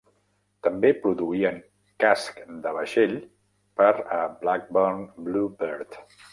També produïen casc de vaixell per a Blackburn Bluebird.